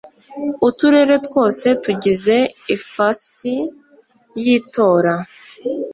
uturere twose tugize ifasi y itora